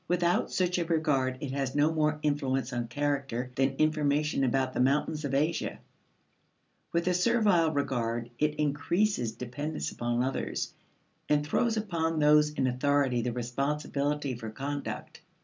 Without such a regard, it has no more influence on character than information about the mountains of Asia; with a servile regard, it increases dependence upon others, and throws upon those in authority the responsibility for conduct.